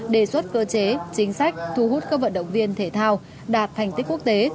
đề xuất cơ chế chính sách thu hút các vận động viên thể thao đạt thành tích quốc tế